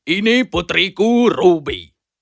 ini putriku ruby